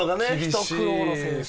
ひと苦労の選手。